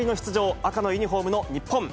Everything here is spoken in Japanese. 赤のユニホームの日本。